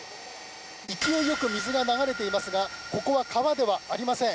勢いよく水が流れていますがここは川ではありません。